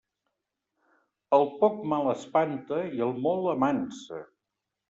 El poc mal espanta i el molt amansa.